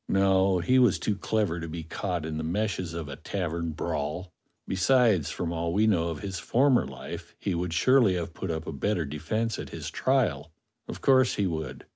No, he was too clever to be caught in the meshes of a tavern brawl. Besides, from all we know of his former life, he would surely have put up a better defence at his trial; of course he would.